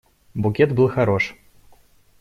Букет был хорош.